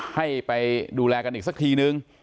ให้ไปดูแลกันอีกสักทีนึง